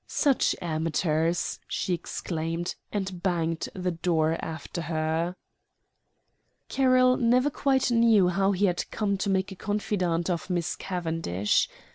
"Such amateurs!" she exclaimed, and banged the door after her. Carroll never quite knew how he had come to make a confidante of Miss Cavendish.